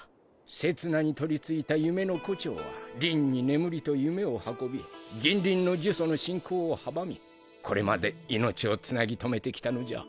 せつなに取り憑いた夢の胡蝶はりんに眠りと夢を運び銀鱗の呪詛の進行を阻みこれまで命を繋ぎ止めてきたのじゃ。